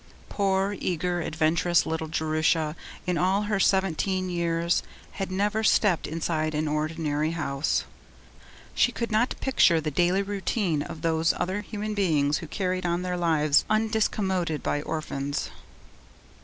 Poor, eager, adventurous little Jerusha, in all her seventeen years, had never stepped inside an ordinary house; she could not picture the daily routine of those other human beings who carried on their lives undiscommoded by orphans.